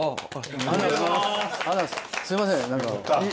すいません何か。